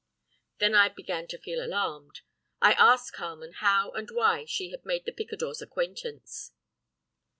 Then I began to feel alarmed. I asked Carmen how and why she had made the picador's acquaintance.